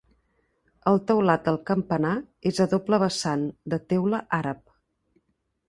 El teulat del campanar és a doble vessant, de teula àrab.